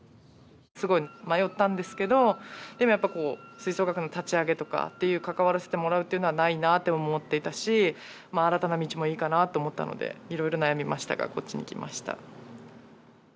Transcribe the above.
すごく迷ったんですけどでもやっぱりこう吹奏楽部の立ち上げとかっていう関わらせてもらうっていうのはないなって思っていたしまあ新たな道もいいかなと思ったのでいろいろ悩みましたがこっちに来ました。